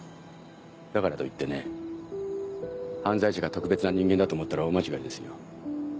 だからといってね犯罪者が特別な人間だと思ったら大間違いですよ。